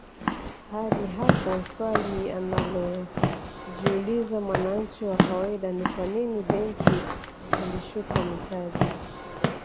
Hadi hapo swali analojiuliza mwananchi wa kawaida ni kwanini benki zilishuka mitaji